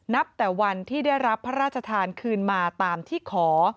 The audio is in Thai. แต่วันที่ได้รับพระราชทานคืนมาตามที่ขอ